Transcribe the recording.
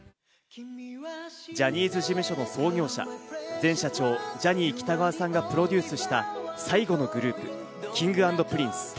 ジャニーズ事務所の創業者・前社長のジャニー喜多川さんがプロデュースした最後のグループ・Ｋｉｎｇ＆Ｐｒｉｎｃｅ。